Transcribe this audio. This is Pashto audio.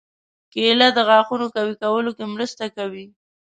کېله د غاښونو قوي کولو کې مرسته کوي.